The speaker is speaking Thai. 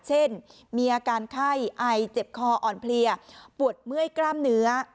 เช่นมีอาการไข้ไอเจ็บคออ่อนเพลียปวดเมื่อยกล้ามเนื้อ